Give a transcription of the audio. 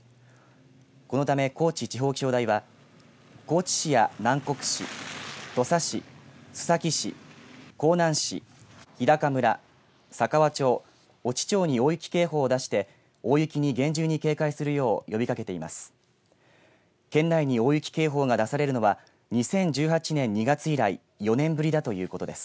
このため高知地方気象台は高知市や南国市土佐市、須崎市香南市、日高村佐川町、越知町に大雪警報を出して、大雪に厳重に警戒するように呼びかけています。